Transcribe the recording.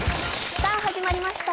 さあ始まりました